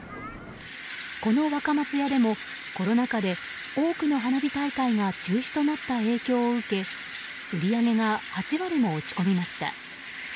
この若松屋でもコロナ禍で多くの花火大会が中止となった影響を受け売り上げが８割も落ち込みました。